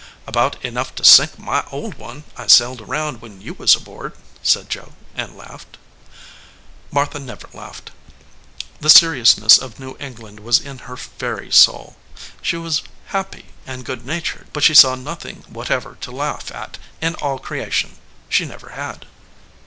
"About enough to sink my old one I sailed around when you was aboard," said Joe, and laughed. Martha never laughed. The seriousness of New England was in her very soul. She was happy and good natured, but she saw nothing whatever to laugh at in all creation. She never had.